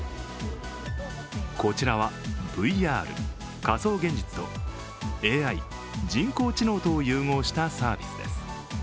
こちらはＶＲ＝仮想現実とＡＩ＝人工知能とを融合したサービスです。